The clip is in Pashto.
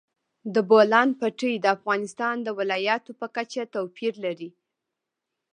د بولان پټي د افغانستان د ولایاتو په کچه توپیر لري.